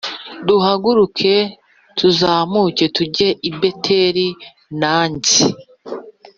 duhaguruke tuzamuke tujye i Beteli nanjye